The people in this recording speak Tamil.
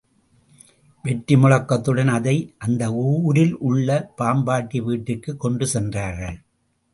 வெற்றி முழக்கத்துடன், அதை அந்த ஊரில் உள்ள பாம்பாட்டி வீட்டிற்குக் கொண்டு சென்றார்கள்.